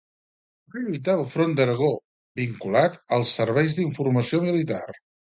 Va lluitar al front d'Aragó, vinculat als serveis d'informació militar.